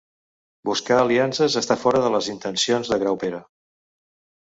Buscar aliances està fora de les intencions de Graupera